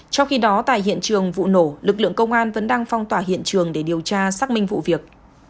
trong khi đó tại hiện trường vụ nổ lực lượng công an vẫn đang phong tỏa hiện trường để điều tra xác minh vụ việc